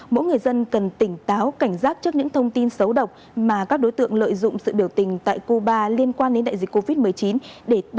mỗi người dân cần tỉnh táo cảnh giác trước những thông tin xấu độc mà các đối tượng lợi dụng sự biểu tình tại cuba liên quan đến đại dịch covid một mươi chín